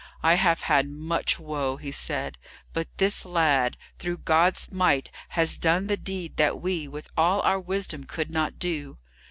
"I have had much woe," he said, "but this lad, through God's might, has done the deed that we, with all our wisdom, could not do.